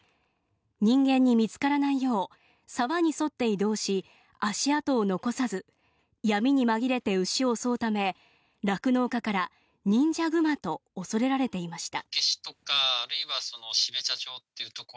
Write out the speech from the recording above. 人間に見つからないよう沢に沿って移動し、足跡を残さず闇に紛れて牛を襲うため酪農家から忍者グマと恐れられていました。